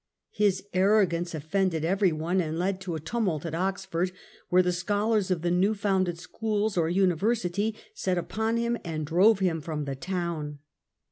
His arrogance of fended everyone, and led to a tumult at Oxford, where the scholars of the new founded schools, or university, set upon him and drove him from the town.